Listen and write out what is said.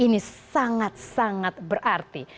ini sangat sangat berarti